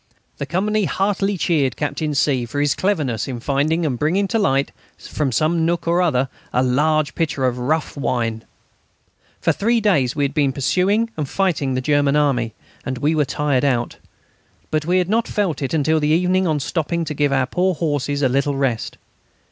The company heartily cheered Captain C. for his cleverness in finding and bringing to light, from some nook or other, a large pitcher of rough wine. For three days we had been pursuing and fighting the German army, and we were tired out; but we had not felt it until the evening on stopping to give our poor horses a little rest.